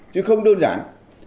chứ không đơn giản